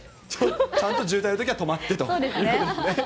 ちゃんと渋滞のときは止まっそうですね。